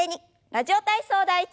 「ラジオ体操第１」。